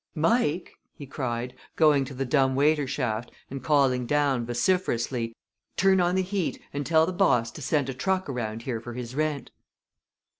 "Mike!" he cried, going to the dumbwaiter shaft, and calling down, vociferously, "turn on the heat, and tell the boss to send a truck around here for his rent."